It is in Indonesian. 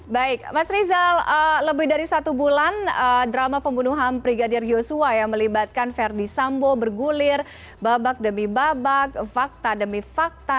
baik mas rizal lebih dari satu bulan drama pembunuhan brigadir yosua yang melibatkan verdi sambo bergulir babak demi babak fakta demi fakta